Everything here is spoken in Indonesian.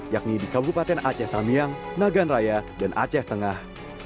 yakni di kabupaten aceh tamiang nagan raya dan aceh tengah